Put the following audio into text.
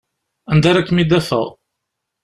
Anda ara kem-id-afeɣ?